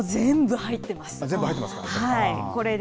全部入ってますか。